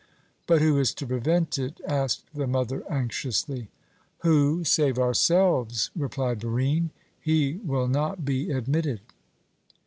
"But who is to prevent it?" asked the mother anxiously. "Who, save ourselves?" replied Barine. "He will not be admitted."